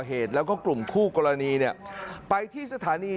กรเหรตแล้วก็กลุ่มคู่กรณีไปที่สถานี